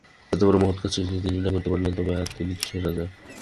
এতবড়ো মহৎ কাজটা যদি তিনি না করিতে পারিলেন তবে আর তিনি কিসের রাজা।